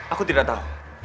aku tidak tahu